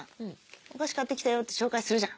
「お菓子買ってきたよ」って紹介するじゃん。